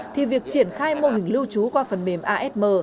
thì việc triển khai mô hình lưu trú qua phần mềm asm